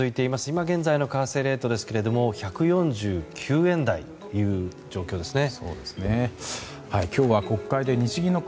今現在の為替レートですが１４９円台という状況ですね。